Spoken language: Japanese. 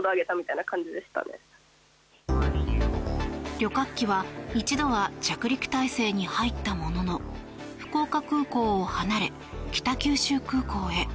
旅客機は一度は着陸態勢に入ったものの福岡空港を離れ、北九州空港へ。